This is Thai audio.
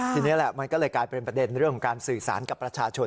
ทีนี้แหละมันก็เลยกลายเป็นประเด็นเรื่องของการสื่อสารกับประชาชน